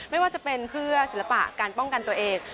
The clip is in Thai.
ไม่ว่าจะเป็นเพื่อศิลปะการป้องกันตัวเอง